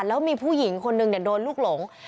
แล้วมีผู้หญิงคนหนึ่งเดี่ยวโดนลูกหลง